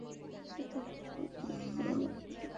সে তখন বলবে, হে আমার প্রতিপালক!